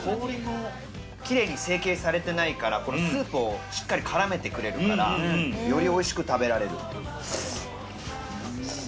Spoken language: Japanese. キレイに整形されてないからスープをしっかり絡めてくれるから。より美味しく食べられる。